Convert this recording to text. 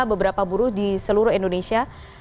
beberapa buruh di seluruh indonesia